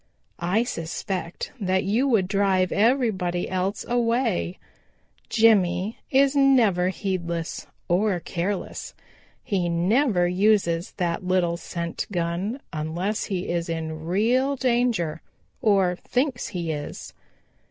I suspect that you would drive everybody else away. Jimmy is never heedless or careless. He never uses that little scent gun unless he is in real danger or thinks he is.